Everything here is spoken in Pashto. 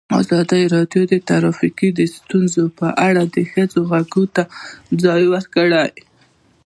ازادي راډیو د ټرافیکي ستونزې په اړه د ښځو غږ ته ځای ورکړی.